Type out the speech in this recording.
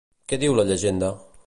Què diu la llegenda?